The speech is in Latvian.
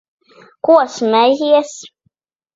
Ko smejies?